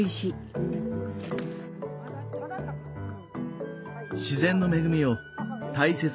自然の恵みを大切に頂く心。